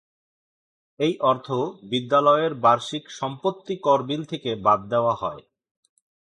এই অর্থ বিদ্যালয়ের বার্ষিক সম্পত্তি কর বিল থেকে বাদ দেওয়া হয়।